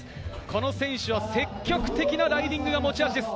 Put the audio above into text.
この選手は積極的なライディングが持ち味です。